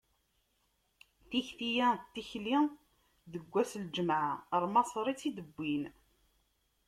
Tikti-ya n tikli deg ass n lǧemɛa, ɣer Maṣer i tt-id-wwin.